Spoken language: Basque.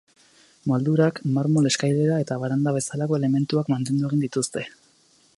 Moldurak, marmol eskailera eta baranda bezalako elementuak mantendu egin dituzte.